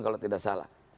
kalau tidak salah